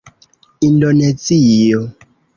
indonezio